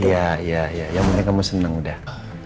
iya iya iya ya mending kamu seneng udah